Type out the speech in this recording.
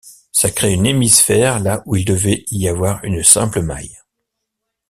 Ça crée une hémisphère là où il devait y avoir une simple maille.